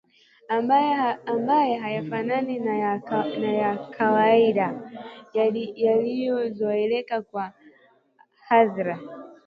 ambayo hayafanani na ya kawaida yaliyozoeleka kwa hadhira